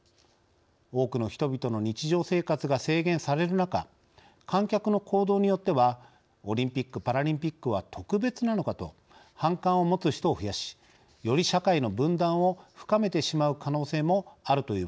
多くの人々の日常生活が制限される中観客の行動によってはオリンピック・パラリンピックは特別なのかと反感を持つ人を増やしより社会の分断を深めてしまう可能性もあるというわけです。